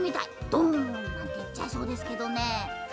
ドンなんていっちゃいそうですけどね。